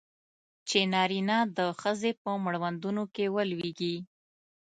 چې نارینه د ښځې په مړوندونو کې ولویږي.